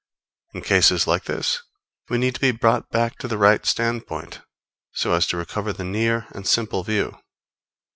In cases like this, we need to be brought back to the right standpoint, so as to recover the near and simple view.